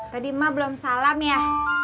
tadi emak belum salam ya